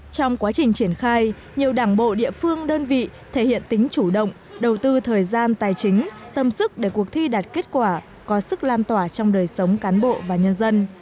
trong quá trình triển khai nhiều đảng bộ địa phương đơn vị thể hiện tính chủ động đầu tư thời gian tài chính tâm sức để cuộc thi đạt kết quả có sức lan tỏa trong đời sống cán bộ và nhân dân